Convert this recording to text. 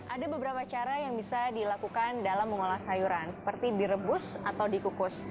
ada beberapa cara yang bisa dilakukan dalam mengolah sayuran seperti direbus atau dikukus